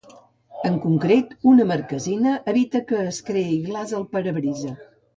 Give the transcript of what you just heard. En concret, una marquesina evita que es creï glaç al parabrisa.